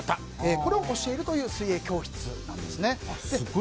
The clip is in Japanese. これを教えるという水泳教室です。